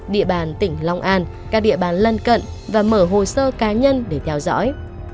địa bàn tỉnh long an các địa bàn lân cận và mở hồ sơ cá nhân để theo dõi